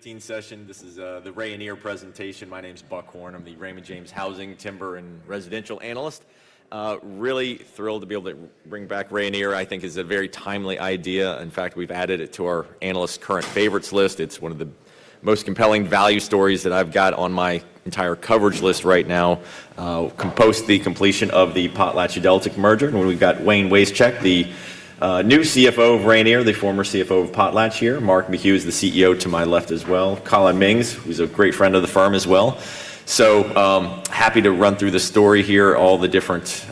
Session. This is the Rayonier presentation. My name's Buck Horne. I'm the Raymond James Housing, Timber, and Residential Analyst. Really thrilled to be able to bring back Rayonier. I think it's a very timely idea. In fact, we've added it to our analyst current favorites list. It's one of the most compelling value stories that I've got on my entire coverage list right now. Post the completion of the PotlatchDeltic merger. We've got Wayne Wasechek, the new CFO of Rayonier, the former CFO of Potlatch here. Mark McHugh is the CEO to my left as well. Collin Mings, who's a great friend of the firm as well. Happy to run through the story here, all the different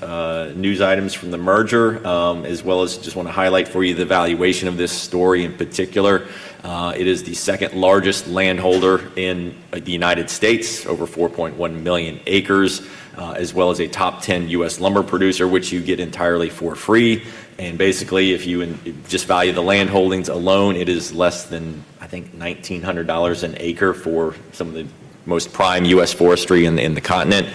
news items from the merger, as well as just wanna highlight for you the valuation of this story in particular. It is the second-largest landholder in the United States, over 4.1 million acres, as well as a top 10 U.S. lumber producer, which you get entirely for free. Basically, if you just value the landholdings alone, it is less than, I think, $1,900 an acre for some of the most prime U.S. forestry in the continent.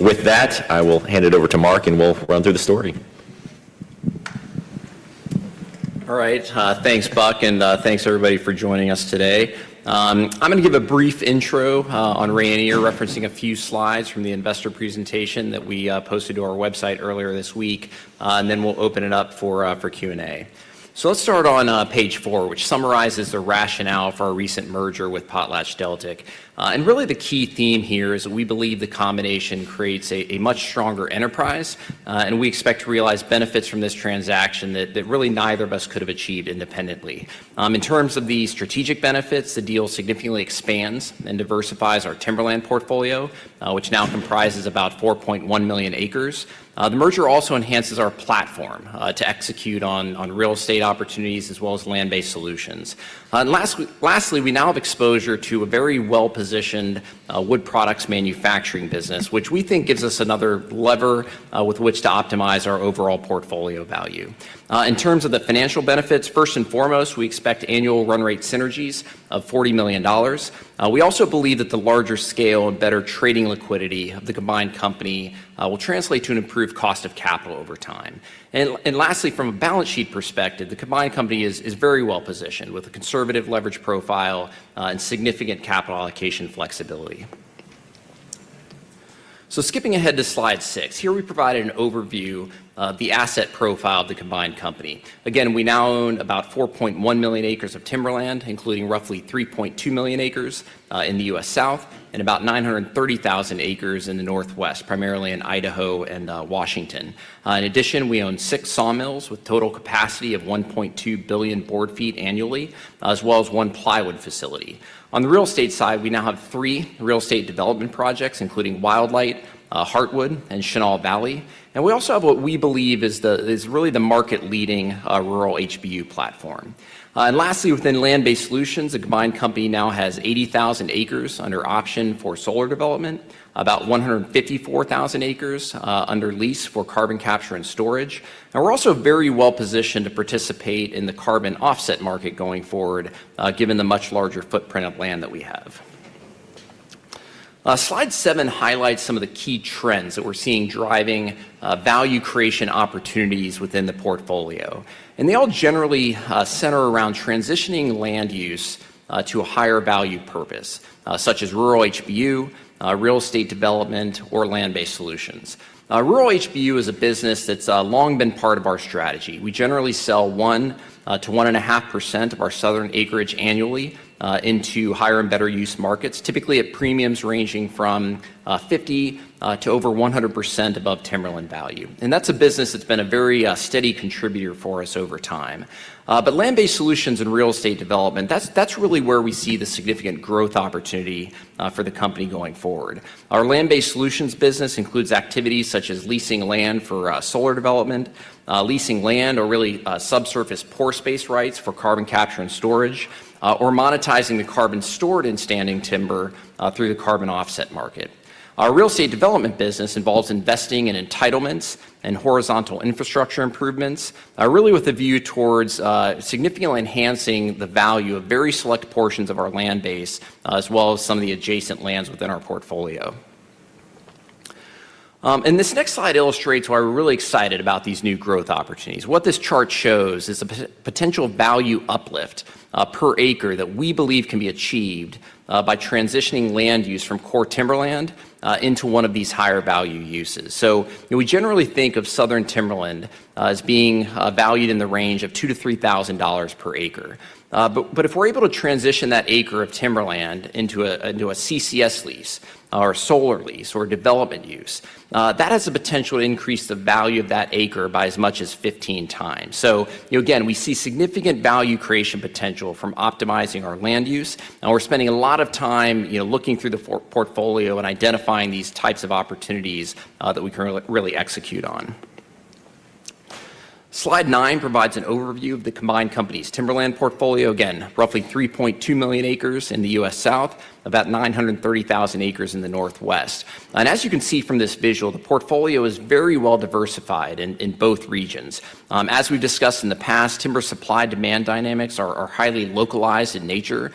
With that, I will hand it over to Mark, and we'll run through the story. All right. Thanks, Buck, and thanks, everybody, for joining us today. I'm gonna give a brief intro on Rayonier, referencing a few slides from the investor presentation that we posted to our website earlier this week, and then we'll open it up for Q&A. Let's start on page four, which summarizes the rationale for our recent merger with PotlatchDeltic. Really the key theme here is that we believe the combination creates a much stronger enterprise, and we expect to realize benefits from this transaction that really neither of us could've achieved independently. In terms of the strategic benefits, the deal significantly expands and diversifies our timberland portfolio, which now comprises about 4.1 million acres. The merger also enhances our platform to execute on real estate opportunities as well as land-based solutions. Lastly, we now have exposure to a very well-positioned wood products manufacturing business, which we think gives us another lever with which to optimize our overall portfolio value. In terms of the financial benefits, first and foremost, we expect annual run rate synergies of $40 million. We also believe that the larger scale and better trading liquidity of the combined company will translate to an improved cost of capital over time. Lastly, from a balance sheet perspective, the combined company is very well-positioned with a conservative leverage profile and significant capital allocation flexibility. Skipping ahead to Slide 6. Here we provide an overview of the asset profile of the combined company. Again, we now own about 4.1 million acres of timberland, including roughly 3.2 million acres in the U.S. South and about 930,000 acres in the Northwest, primarily in Idaho and Washington. In addition, we own six sawmills with total capacity of 1.2 billion board feet annually, as well as one plywood facility. On the real estate side, we now have three real estate development projects, including Wildlight, Heartwood, and Chenal Valley. We also have what we believe is the, is really the market-leading rural HBU platform. Lastly, within land-based solutions, the combined company now has 80,000 acres under option for solar development, about 154,000 acres under lease for carbon capture and storage. We're also very well-positioned to participate in the carbon offset market going forward, given the much larger footprint of land that we have. Slide 7 highlights some of the key trends that we're seeing driving value creation opportunities within the portfolio. They all generally center around transitioning land use to a higher value purpose, such as rural HBU, real estate development, or land-based solutions. Rural HBU is a business that's long been part of our strategy. We generally sell 1%-1.5% of our southern acreage annually into higher and better use markets, typically at premiums ranging from 50% to over 100% above timberland value. That's a business that's been a very steady contributor for us over time. Land-based solutions and real estate development, that's really where we see the significant growth opportunity for the company going forward. Our land-based solutions business includes activities such as leasing land for solar development, leasing land or really, subsurface pore space rights for carbon capture and storage, or monetizing the carbon stored in standing timber through the carbon offset market. Our real estate development business involves investing in entitlements and horizontal infrastructure improvements, really with a view towards significantly enhancing the value of very select portions of our land base, as well as some of the adjacent lands within our portfolio. This next slide illustrates why we're really excited about these new growth opportunities. What this chart shows is the potential value uplift per acre that we believe can be achieved by transitioning land use from core timberland into one of these higher value uses. You know, we generally think of southern timberland as being valued in the range of $2,000-$3,000 per acre. But if we're able to transition that acre of timberland into a CCS lease or a solar lease or development use, that has the potential to increase the value of that acre by as much as 15x. You know, again, we see significant value creation potential from optimizing our land use, and we're spending a lot of time, you know, looking through the portfolio and identifying these types of opportunities that we can really execute on. Slide 9 provides an overview of the combined companies. Timberland portfolio, again, roughly 3.2 million acres in the U.S. South, about 930,000 acres in the Northwest. As you can see from this visual, the portfolio is very well diversified in both regions. As we've discussed in the past, timber supply-demand dynamics are highly localized in nature,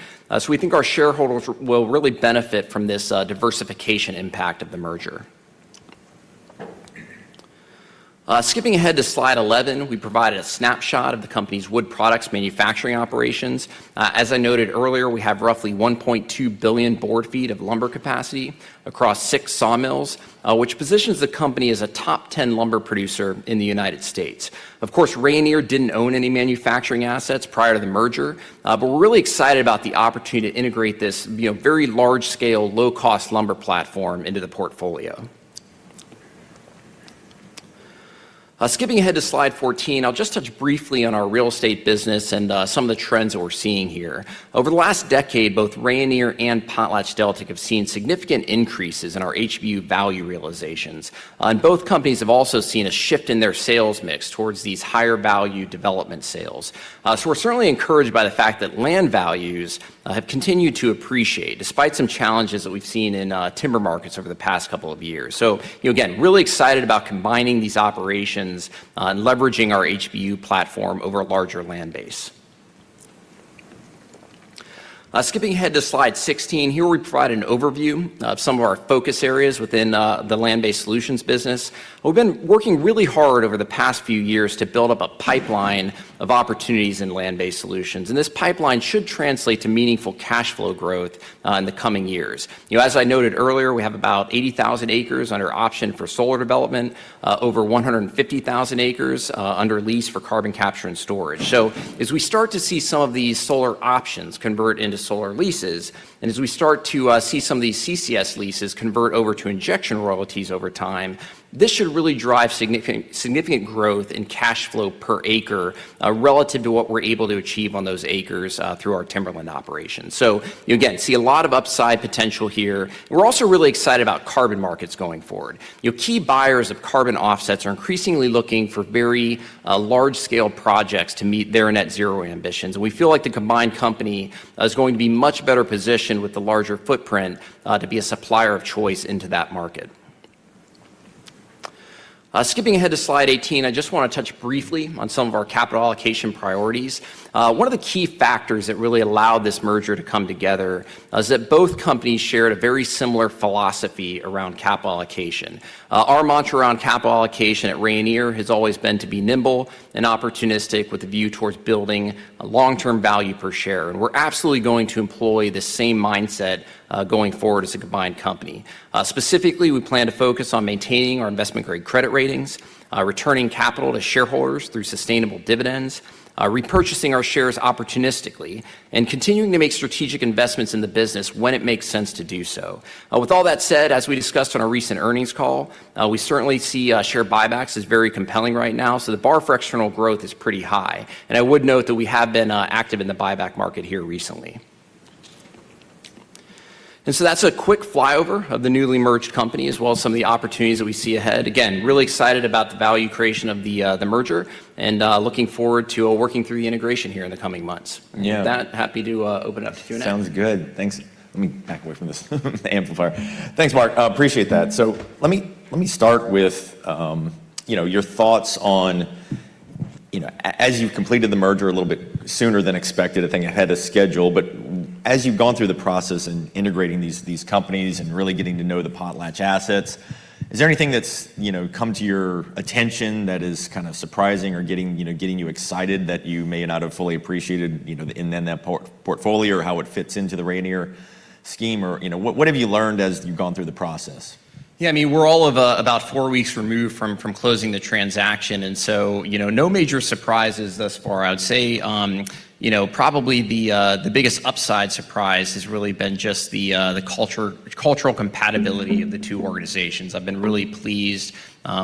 we think our shareholders will really benefit from this diversification impact of the merger. Skipping ahead to Slide 11, we provided a snapshot of the company's wood products manufacturing operations. As I noted earlier, we have roughly 1.2 billion board feet of lumber capacity across six sawmills, which positions the company as a top 10 lumber producer in the United States. Of course, Rayonier didn't own any manufacturing assets prior to the merger, but we're really excited about the opportunity to integrate this, you know, very large scale, low-cost lumber platform into the portfolio. Skipping ahead to Slide 14, I'll just touch briefly on our real estate business and some of the trends that we're seeing here. Over the last decade, both Rayonier and PotlatchDeltic have seen significant increases in our HBU value realizations. Both companies have also seen a shift in their sales mix towards these higher value development sales. We're certainly encouraged by the fact that land values have continued to appreciate despite some challenges that we've seen in timber markets over the past couple of years. You know, again, really excited about combining these operations and leveraging our HBU platform over a larger land base. Skipping ahead to Slide 16, here we provide an overview of some of our focus areas within the land-based solutions business. We've been working really hard over the past few years to build up a pipeline of opportunities in land-based solutions. This pipeline should translate to meaningful cash flow growth in the coming years. You know, as I noted earlier, we have about 80,000 acres under option for solar development, over 150,000 acres under lease for carbon capture and storage. As we start to see some of these solar options convert into solar leases, and as we start to see some of these CCS leases convert over to injection royalties over time, this should really drive significant growth in cash flow per acre relative to what we're able to achieve on those acres through our timberland operations. You, again, see a lot of upside potential here. We're also really excited about carbon markets going forward. You know, key buyers of carbon offsets are increasingly looking for very large-scale projects to meet their net zero ambitions. We feel like the combined company is going to be much better positioned with the larger footprint to be a supplier of choice into that market. Skipping ahead to Slide 18, I just wanna touch briefly on some of our capital allocation priorities. One of the key factors that really allowed this merger to come together is that both companies shared a very similar philosophy around capital allocation. Our mantra on capital allocation at Rayonier has always been to be nimble and opportunistic with a view towards building long-term value per share, we're absolutely going to employ the same mindset going forward as a combined company. Specifically, we plan to focus on maintaining our investment-grade credit ratings, returning capital to shareholders through sustainable dividends, repurchasing our shares opportunistically, and continuing to make strategic investments in the business when it makes sense to do so. With all that said, as we discussed on our recent earnings call, we certainly see share buybacks as very compelling right now, the bar for external growth is pretty high. I would note that we have been active in the buyback market here recently. That's a quick flyover of the newly merged company as well as some of the opportunities that we see ahead. Really excited about the value creation of the merger and looking forward to working through the integration here in the coming months. Yeah. With that, happy to open it up to Q&A. Sounds good. Thanks. Let me back away from this amplifier. Thanks, Mark. appreciate that. Let me start with, you know, your thoughts on, you know, as you've completed the merger a little bit sooner than expected, I think ahead of schedule, but as you've gone through the process in integrating these companies and really getting to know the Potlatch assets, is there anything that's, you know, come to your attention that is kinda surprising or getting you excited that you may not have fully appreciated, you know, in that portfolio or how it fits into the Rayonier scheme? What have you learned as you've gone through the process? Yeah, I mean, we're all of about four weeks removed from closing the transaction. You know, no major surprises thus far. I would say, you know, probably the biggest upside surprise has really been just the culture, cultural compatibility of the two organizations. I've been really pleased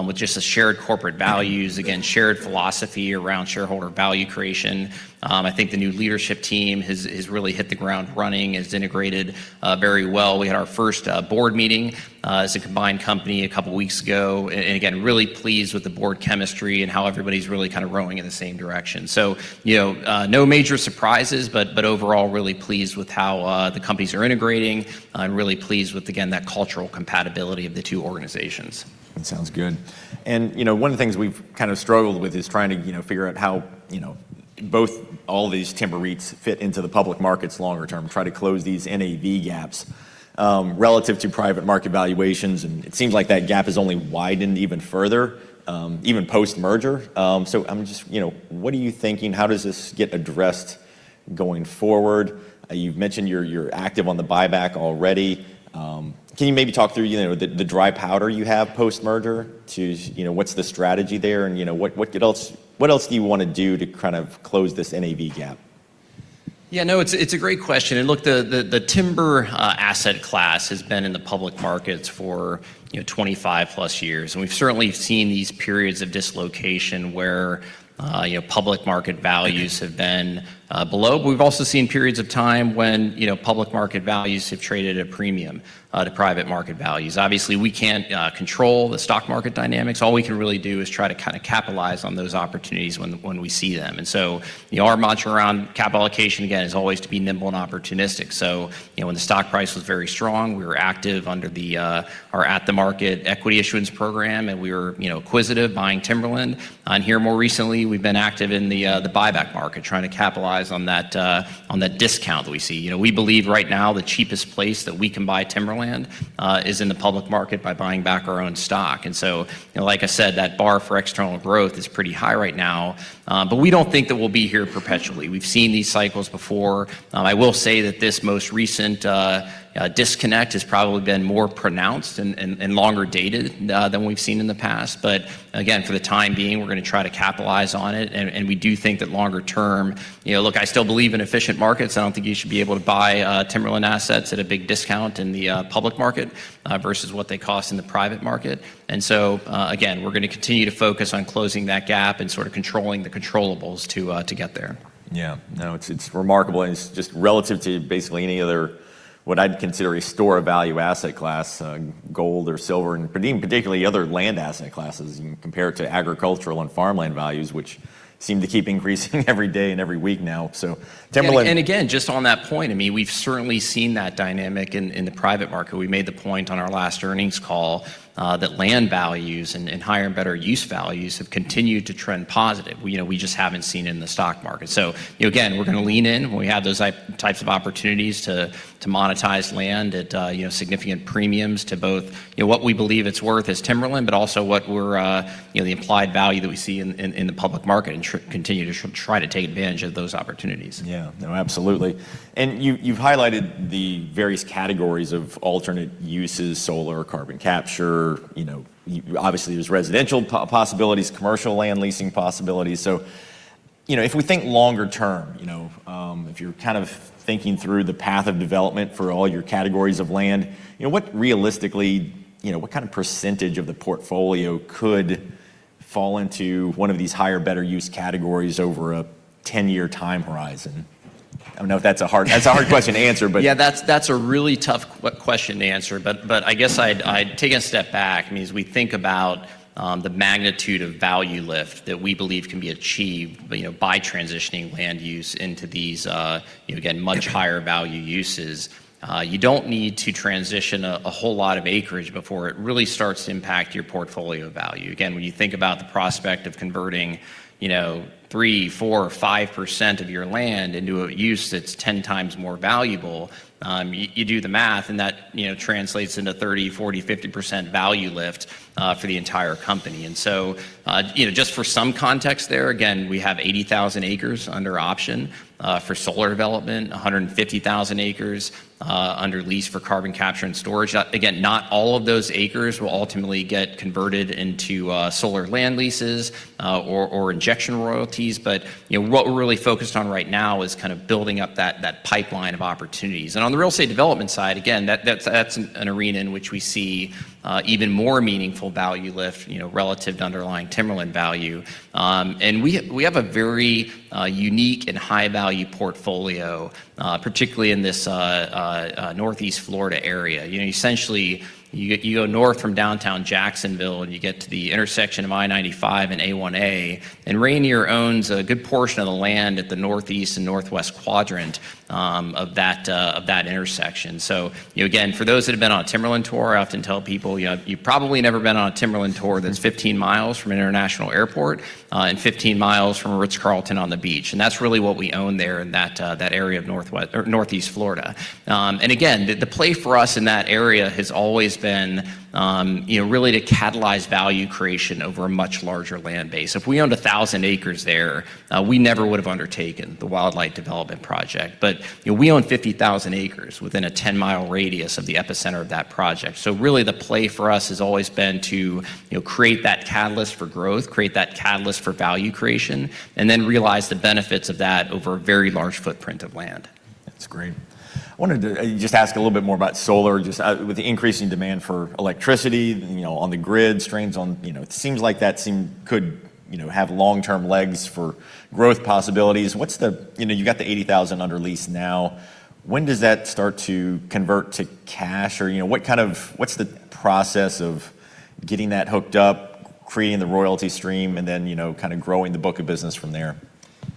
with just the shared corporate values, again, shared philosophy around shareholder value creation. I think the new leadership team has really hit the ground running, has integrated very well. We had our first board meeting as a combined company two weeks ago, and again, really pleased with the board chemistry and how everybody's really kind of rowing in the same direction. You know, no major surprises, but overall, really pleased with how the companies are integrating. I'm really pleased with, again, that cultural compatibility of the two organizations. That sounds good. You know, one of the things we've kind of struggled with is trying to, you know, figure out how, you know, both all these timber REITs fit into the public markets longer term, try to close these NAV gaps, relative to private market valuations, and it seems like that gap has only widened even further, even post-merger. So I'm just, you know... What are you thinking? How does this get addressed going forward? You've mentioned you're active on the buyback already. Can you maybe talk through, you know, the dry powder you have post-merger to, you know, what's the strategy there and, you know, what else, what else do you wanna do to kind of close this NAV gap? Yeah, no, it's a great question. look, the, the timber asset class has been in the public markets for, you know, 25+ years, and we've certainly seen these periods of dislocation where, you know, public market values have been below. we've also seen periods of time when, you know, public market values have traded at a premium to private market values. Obviously, we can't control the stock market dynamics. All we can really do is try to kinda capitalize on those opportunities when we see them. you know, our mantra around capital allocation, again, is always to be nimble and opportunistic. you know, when the stock price was very strong, we were active under the at-the-market equity issuance program, and we were, you know, acquisitive buying timberland. On here more recently, we've been active in the buyback market, trying to capitalize on that discount that we see. You know, we believe right now the cheapest place that we can buy timberland is in the public market by buying back our own stock. You know, like I said, that bar for external growth is pretty high right now, but we don't think that we'll be here perpetually. We've seen these cycles before. I will say that this most recent disconnect has probably been more pronounced and longer dated than we've seen in the past. Again, for the time being, we're gonna try to capitalize on it. We do think that longer term. You know, look, I still believe in efficient markets. I don't think you should be able to buy timberland assets at a big discount in the public market versus what they cost in the private market. Again, we're gonna continue to focus on closing that gap and sort of controlling the controllables to get there. No, it's remarkable, and it's just relative to basically any other what I'd consider a store of value asset class, gold or silver, and particularly other land asset classes compared to agricultural and farmland values, which seem to keep increasing every day and every week now. timberland- Again, just on that point, I mean, we've certainly seen that dynamic in the private market. We made the point on our last earnings call that land values and higher and better use values have continued to trend positive. You know, we just haven't seen it in the stock market. You know, again, we're gonna lean in when we have those types of opportunities to monetize land at, you know, significant premiums to both, you know, what we believe it's worth as timberland, but also what we're, you know, the implied value that we see in, in the public market and continue to try to take advantage of those opportunities. Yeah. No, absolutely. You, you've highlighted the various categories of alternate uses, solar, carbon capture. You know, obviously, there's residential possibilities, commercial land leasing possibilities. You know, if we think longer term, you know, if you're kind of thinking through the path of development for all your categories of land, you know, what realistically, you know, what kind of percentage of the portfolio could fall into one of these higher, better use categories over a 10-year time horizon? I don't know if that's a hard question to answer, but. Yeah, that's a really tough question to answer. I guess I'd take a step back. I mean, as we think about the magnitude of value lift that we believe can be achieved, you know, by transitioning land use into these, you know, again, much higher value uses, you don't need to transition a whole lot of acreage before it really starts to impact your portfolio value. Again, when you think about the prospect of converting, you know, 3%, 4%, or 5% of your land into a use that's 10x more valuable, you do the math, and that, you know, translates into 30%, 40%, 50% value lift for the entire company. You know, just for some context there, again, we have 80,000 acres under option for solar development, 150,000 acres under lease for carbon capture and storage. Again, not all of those acres will ultimately get converted into solar land leases or injection royalties. You know, what we're really focused on right now is kind of building up that pipeline of opportunities. On the real estate development side, again, that's an arena in which we see even more meaningful value lift, you know, relative to underlying timberland value. We have a very unique and high-value portfolio, particularly in this Northeast Florida area. You know, essentially, you go north from downtown Jacksonville. You get to the intersection of I-95 and A1A. Rayonier owns a good portion of the land at the northeast and northwest quadrant of that intersection. You know, again, for those that have been on a timberland tour, I often tell people, you know, "You've probably never been on a timberland tour that's 15 mi from an international airport and 15 mi from a The Ritz-Carlton on the beach." That's really what we own there in that area of Northeast Florida. Again, the play for us in that area has always been, you know, really to catalyze value creation over a much larger land base. If we owned 1,000 acres there, we never would've undertaken the Wildlight development project. you know, we own 50,000 acres within a 10-mi radius of the epicenter of that project. really, the play for us has always been to, you know, create that catalyst for growth, create that catalyst for value creation, and then realize the benefits of that over a very large footprint of land. That's great. I wanted to just ask a little bit more about solar. Just, with the increasing demand for electricity, you know, on the grid, strains on... You know, it seems like that could, you know, have long-term legs for growth possibilities. What's the... You know, you've got the 80,000 under lease now. When does that start to convert to cash? You know, what's the process of getting that hooked up, creating the royalty stream, and then, you know, kinda growing the book of business from there?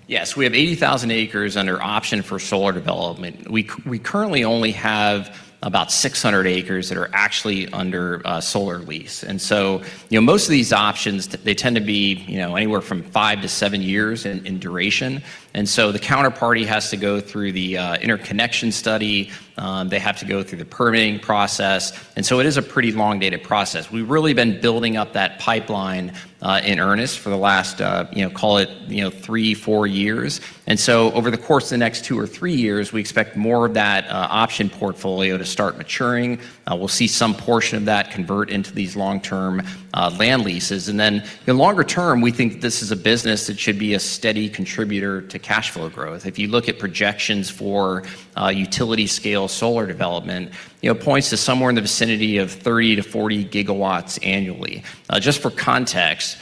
Yes, we have 80,000 acres under option for solar development. We currently only have about 600 acres that are actually under a solar lease. You know, most of these options, they tend to be, you know, anywhere from five to seven years in duration. The counterparty has to go through the interconnection study. They have to go through the permitting process. It is a pretty long-dated process. We've really been building up that pipeline in earnest for the last, you know, call it, you know, three, four years. Over the course of the next two or three years, we expect more of that option portfolio to start maturing. We'll see some portion of that convert into these long-term land leases. In longer term, we think this is a business that should be a steady contributor to cash flow growth. If you look at projections for utility scale solar development, you know, points to somewhere in the vicinity of 30 GW-40 GW annually. Just for context,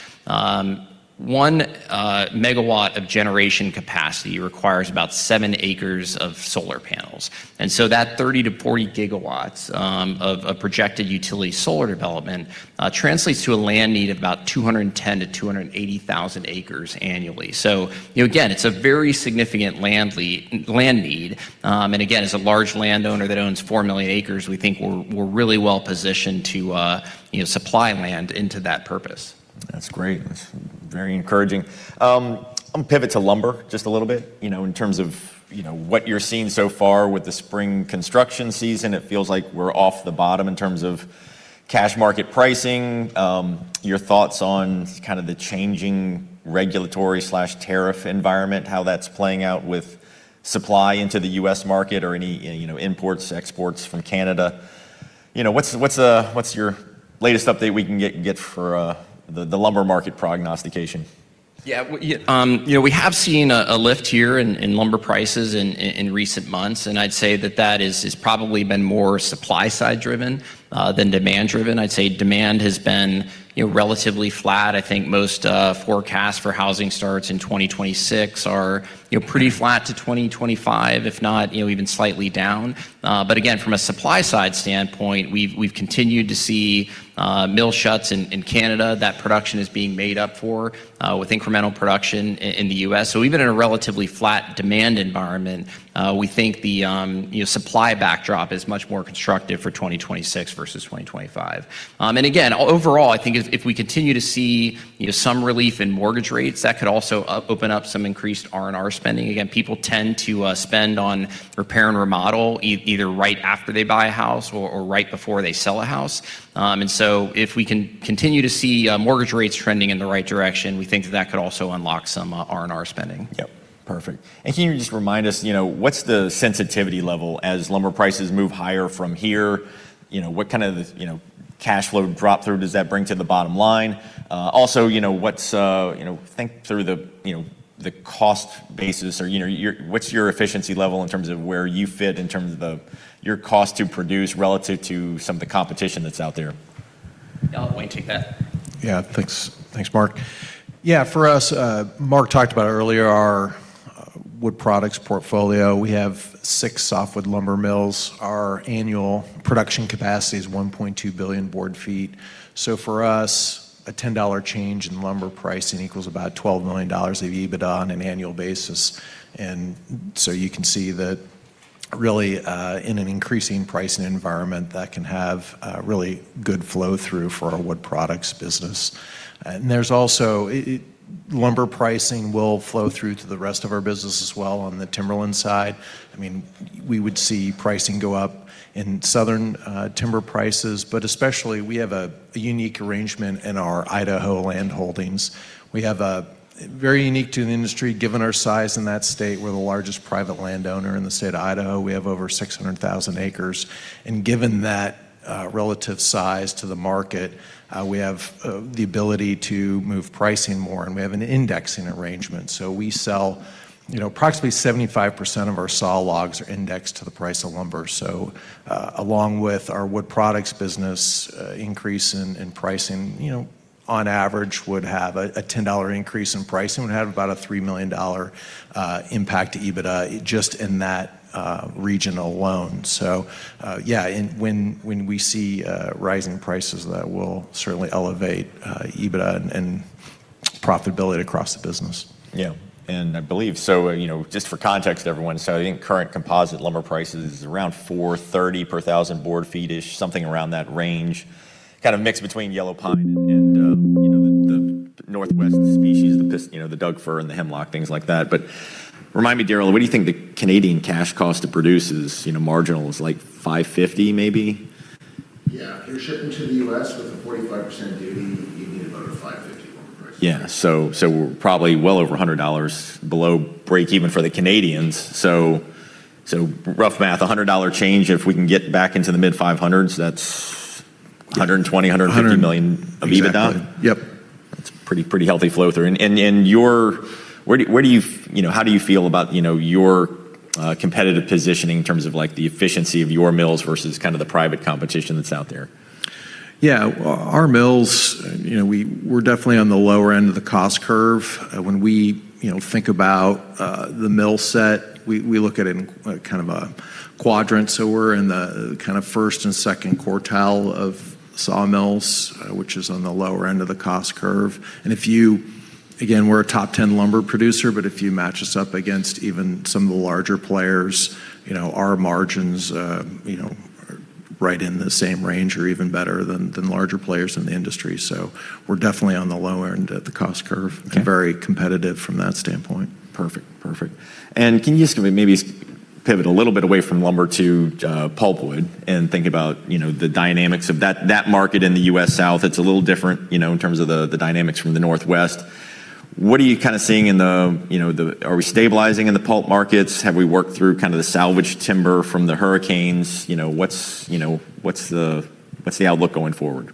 1 MW megawatt of generation capacity requires about 7 acres of solar panels. That 30 GW-40 GW of a projected utility solar development translates to a land need of about 210,000-280,000 acres annually. You know, again, it's a very significant land need. Again, as a large landowner that owns 4 million acres, we think we're really well positioned to, you know, supply land into that purpose. That's great. That's very encouraging. I'm gonna pivot to lumber just a little bit, you know, in terms of, you know, what you're seeing so far with the spring construction season. It feels like we're off the bottom in terms of cash market pricing. Your thoughts on kind of the changing regulatory/tariff environment, how that's playing out with supply into the U.S. market or any, you know, imports, exports from Canada. You know, what's your latest update we can get for the lumber market prognostication? Yeah. We, you know, we have seen a lift here in lumber prices in recent months, and I'd say that that is probably been more supply side driven than demand driven. I'd say demand has been, you know, relatively flat. I think most forecasts for housing starts in 2026 are, you know, pretty flat to 2025, if not, you know, even slightly down. Again, from a supply side standpoint, we've continued to see mill shuts in Canada. That production is being made up for with incremental production in the U.S. Even in a relatively flat demand environment, we think the, you know, supply backdrop is much more constructive for 2026 versus 2025. Again, overall, I think if we continue to see, you know, some relief in mortgage rates, that could also open up some increased R&R spending. Again, people tend to spend on repair and remodel either right after they buy a house or right before they sell a house. So if we can continue to see mortgage rates trending in the right direction, we think that that could also unlock some R&R spending. Yep. Perfect. Can you just remind us, you know, what's the sensitivity level as lumber prices move higher from here? You know, what kind of, you know, cash flow drop through does that bring to the bottom line? Also, you know, what's, you know, think through the, you know, the cost basis or, you know, what's your efficiency level in terms of where you fit in terms of the, your cost to produce relative to some of the competition that's out there? Daryl, why don't you take that? Yeah. Thanks. Thanks, Mark. Yeah. For us, Mark talked about earlier our wood products portfolio. We have six softwood lumber mills. Our annual production capacity is 1.2 billion board feet. For us, a $10 change in lumber pricing equals about $12 million of EBITDA on an annual basis. You can see that really, in an increasing pricing environment, that can have a really good flow-through for our wood products business. Lumber pricing will flow through to the rest of our business as well on the timberland side. I mean, we would see pricing go up in southern timber prices, but especially we have a unique arrangement in our Idaho land holdings. We have a very unique to the industry, given our size in that state. We're the largest private landowner in the state of Idaho. We have over 600,000 acres. Given that relative size to the market, we have the ability to move pricing more, and we have an indexing arrangement. We sell, you know, approximately 75% of our saw logs are indexed to the price of lumber. Along with our wood products business, increase in pricing, you know, on average would have a $10 increase in pricing. We have about a $3 million impact to EBITDA just in that region alone. When we see rising prices, that will certainly elevate EBITDA and profitability across the business. Yeah. I believe so, you know, just for context, everyone, I think current composite lumber prices is around $430 per thousand board feet-ish, something around that range, kind of mixed between yellow pine and, you know, the Northwest species, the pis-- you know, the Doug fir and the hemlock, things like that. Remind me, Daryl, what do you think the Canadian cash cost to produce is? You know, marginal is, like, 550 maybe. Yeah. If you're shipping to the U.S. with a 45% duty, you need about a $550 lumber price. Yeah. Probably well over $100 below break even for the Canadians. Rough math, a $100 change, if we can get back into the mid 500s, that's $120 million-$150 million. Exactly... of EBITDA. Yep. That's pretty healthy flow through. You know, how do you feel about, you know, your competitive positioning in terms of, like, the efficiency of your mills versus kind of the private competition that's out there? Yeah. Our mills, you know, we're definitely on the lower end of the cost curve. When we, you know, think about the mill set, we look at it in kind of a quadrant. We're in the kind of first and second quartile of sawmills, which is on the lower end of the cost curve. If you We're a top 10 lumber producer. If you match us up against even some of the larger players, you know, our margins, you know, are right in the same range or even better than larger players in the industry. We're definitely on the lower end of the cost curve. Okay. Very competitive from that standpoint. Perfect. Perfect. Can you just maybe pivot a little bit away from lumber to pulpwood and think about, you know, the dynamics of that market in the U.S. South? It's a little different, you know, in terms of the dynamics from the Northwest. What are you kinda seeing in the, you know, Are we stabilizing in the pulp markets? Have we worked through kind of the salvaged timber from the hurricanes? You know, what's, you know, what's the, what's the outlook going forward?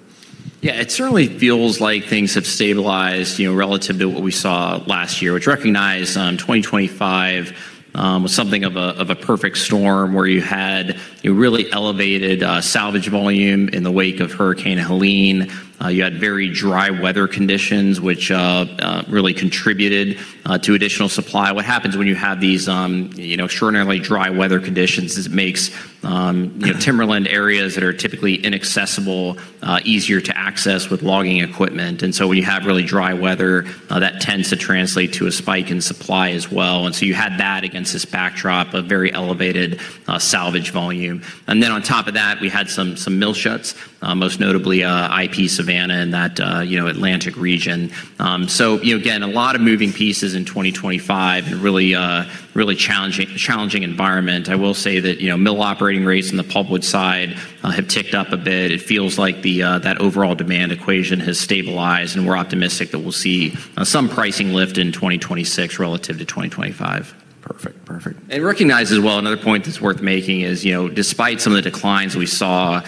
Yeah, it certainly feels like things have stabilized, you know, relative to what we saw last year, which recognized, 2025 was something of a perfect storm where you had a really elevated salvage volume in the wake of Hurricane Helene. You had very dry weather conditions which really contributed to additional supply. What happens when you have these, you know, extraordinarily dry weather conditions is it makes, you know, timberland areas that are typically inaccessible easier to access with logging equipment. When you have really dry weather, that tends to translate to a spike in supply as well. You had that against this backdrop of very elevated salvage volume. On top of that, we had some mill shuts, most notably, IP Savannah in that, you know, Atlantic region. You know, again, a lot of moving pieces in 2025 and really challenging environment. I will say that, you know, mill operating rates in the pulpwood side have ticked up a bit. It feels like that overall demand equation has stabilized, and we're optimistic that we'll see some pricing lift in 2026 relative to 2025. Perfect. Perfect. Recognize as well, another point that's worth making is, you know, despite some of the declines we saw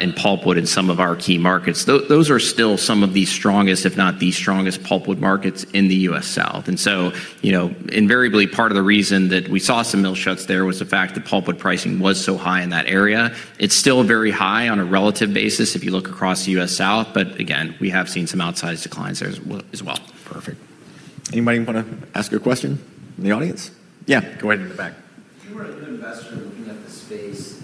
in pulpwood in some of our key markets, those are still some of the strongest, if not the strongest, pulpwood markets in the U.S. South. You know, invariably part of the reason that we saw some mill shuts there was the fact that pulpwood pricing was so high in that area. It's still very high on a relative basis if you look across the U.S. South, but again, we have seen some outsized declines there as well. Perfect. Anybody wanna ask a question in the audience? Yeah, go ahead in the back. If you were an investor looking at the space,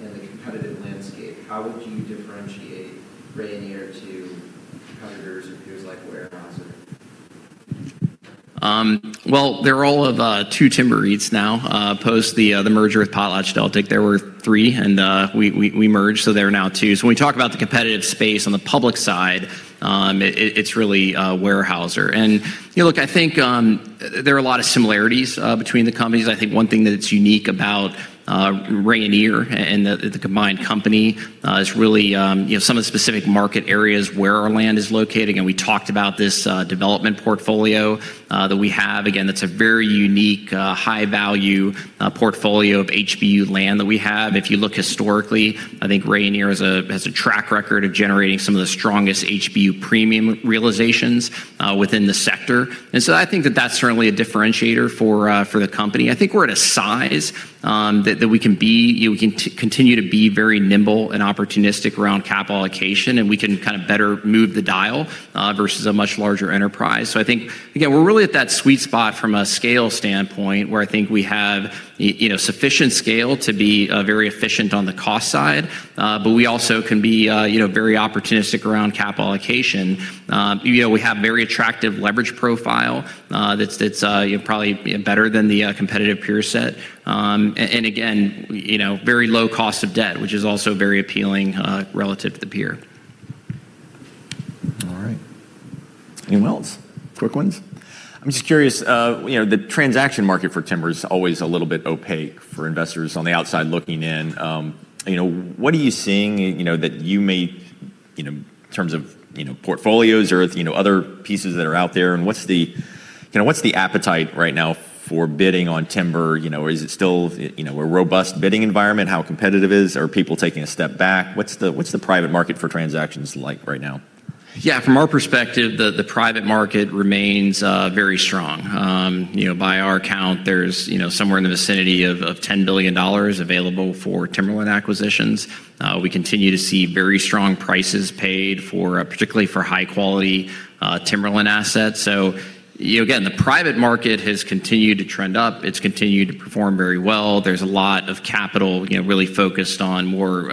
and the competitive landscape, how would you differentiate Rayonier to competitors and peers like Weyerhaeuser? Well, there are all of two timber REITs now, post the merger with PotlatchDeltic. There were three, and we merged, so there are now two. When we talk about the competitive space on the public side, it's really Weyerhaeuser. You know, look, I think there are a lot of similarities between the companies. I think one thing that's unique about Rayonier and the combined company is really, you know, some of the specific market areas where our land is located. Again, we talked about this development portfolio that we have. Again, that's a very unique, high value portfolio of HBU land that we have. If you look historically, I think Rayonier has a track record of generating some of the strongest HBU premium realizations within the sector. I think that that's certainly a differentiator for the company. I think we're at a size that we can continue to be very nimble and opportunistic around capital allocation, and we can kind of better move the dial versus a much larger enterprise. I think, again, we're really at that sweet spot from a scale standpoint, where I think we have you know, sufficient scale to be very efficient on the cost side, but we also can be, you know, very opportunistic around capital allocation. You know, we have very attractive leverage profile that's, you know, probably better than the competitive peer set. Again, you know, very low cost of debt, which is also very appealing, relative to the peer. All right. Anyone else? Quick ones. I'm just curious, you know, the transaction market for timber is always a little bit opaque for investors on the outside looking in. You know, what are you seeing, you know, that you may, you know, in terms of, you know, portfolios or, you know, other pieces that are out there? What's the appetite right now for bidding on timber? You know, is it still, you know, a robust bidding environment? How competitive is it? Are people taking a step back? What's the, what's the private market for transactions like right now? Yeah, from our perspective, the private market remains very strong. You know, by our count there's, you know, somewhere in the vicinity of $10 billion available for timberland acquisitions. We continue to see very strong prices paid for particularly for high quality timberland assets. Again, the private market has continued to trend up. It's continued to perform very well. There's a lot of capital, you know, really focused on more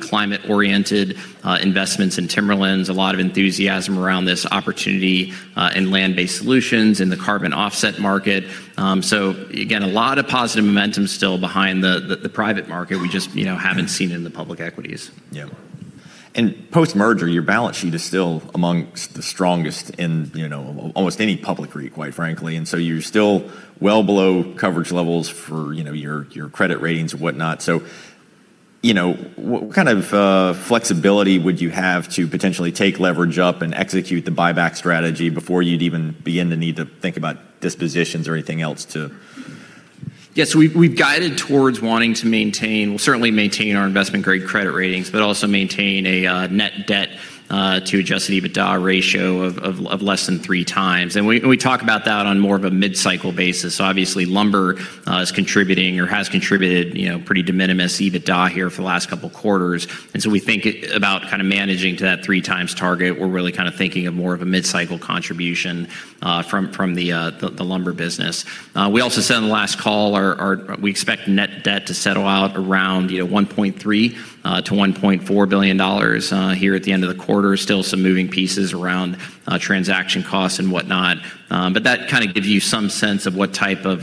climate-oriented investments in timberlands, a lot of enthusiasm around this opportunity in land-based solutions in the carbon offset market. Again, a lot of positive momentum still behind the private market we just, you know, haven't seen in the public equities. Yeah. Post-merger, your balance sheet is still amongst the strongest in, you know, almost any public REIT, quite frankly. You're still well below coverage levels for, you know, your credit ratings and whatnot. You know, what kind of flexibility would you have to potentially take leverage up and execute the buyback strategy before you'd even be in the need to think about dispositions or anything else to... Yes, we've guided towards wanting to maintain, we'll certainly maintain our investment-grade credit ratings, but also maintain a net debt to adjusted EBITDA ratio of less than 3x. We talk about that on more of a mid-cycle basis. Obviously lumber is contributing or has contributed, you know, pretty de minimis EBITDA here for the last couple quarters. We think about kinda managing to that 3x target. We're really kinda thinking of more of a mid-cycle contribution from the lumber business. We also said on the last call we expect net debt to settle out around, you know, $1.3 billion-$1.4 billion here at the end of the quarter. Still some moving pieces around transaction costs and whatnot. That kinda gives you some sense of what type of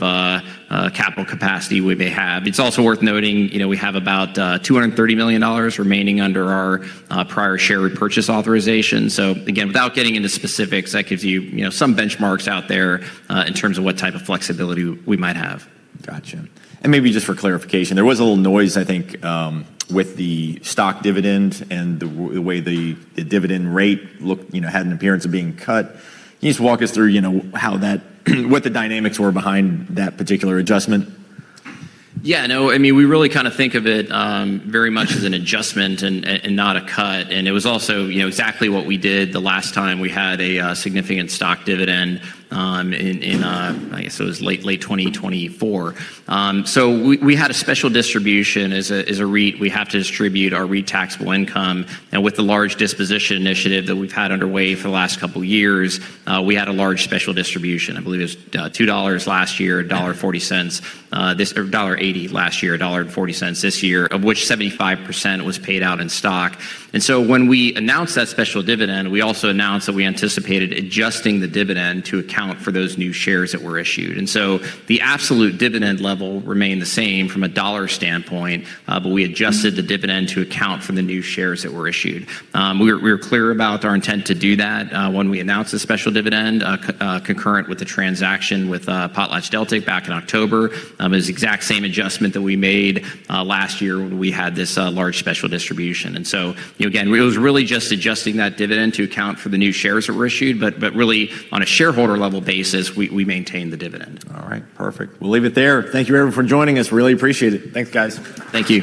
capital capacity we may have. It's also worth noting, you know, we have about $230 million remaining under our prior share repurchase authorization. Again, without getting into specifics, that gives you know, some benchmarks out there in terms of what type of flexibility we might have. Gotcha. Maybe just for clarification, there was a little noise, I think, with the stock dividend and the dividend rate looked, you know, had an appearance of being cut. Can you just walk us through, you know, how that what the dynamics were behind that particular adjustment? Yeah, no. I mean, we really kinda think of it, very much as an adjustment and not a cut. It was also, you know, exactly what we did the last time we had a significant stock dividend, in, I guess it was late 2024. So we had a special distribution. As a REIT, we have to distribute our REIT taxable income. With the large disposition initiative that we've had underway for the last couple years, we had a large special distribution. I believe it was $2 last year, $1.40, this-- or $1.80 last year, $1.40 this year, of which 75% was paid out in stock. When we announced that special dividend, we also announced that we anticipated adjusting the dividend to account for those new shares that were issued. The absolute dividend level remained the same from a dollar standpoint, but we adjusted the dividend to account for the new shares that were issued. We were clear about our intent to do that when we announced the special dividend concurrent with the transaction with PotlatchDeltic back in October. It was the exact same adjustment that we made last year when we had this large special distribution. You know, again, it was really just adjusting that dividend to account for the new shares that were issued. Really on a shareholder level basis, we maintained the dividend. All right, perfect. We'll leave it there. Thank you everyone for joining us. Really appreciate it. Thanks, guys. Thank you.